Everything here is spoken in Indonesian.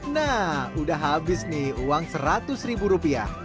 nah udah habis nih uang seratus ribu rupiah